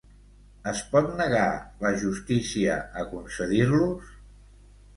Es pot negar la justícia a concedir-los?